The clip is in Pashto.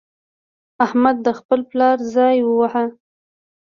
احمد د خپل پلار ځای وواهه.